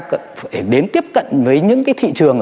phải đến tiếp cận với những cái thị trường